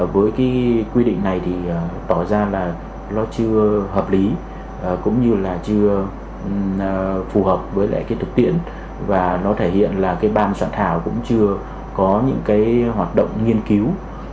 với cái quy định này thì tỏ ra là nó chưa hợp lý cũng như là chưa phù hợp với lại cái thực tiễn và nó thể hiện là cái ban soạn thảo cũng chưa có những cái hoạt động nghiên cứu